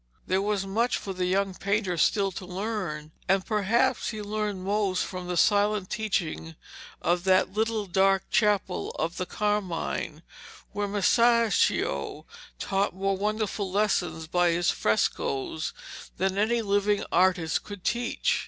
There was much for the young painter still to learn, and perhaps he learned most from the silent teaching of that little dark chapel of the Carmine, where Masaccio taught more wonderful lessons by his frescoes than any living artist could teach.